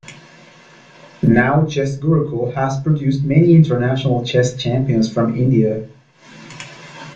Now Chessgurukul has produced many international chess champions from India.